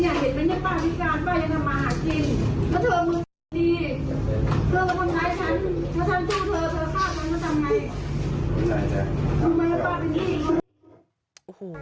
ท่อย่างเปล่าคุณบ้างจริง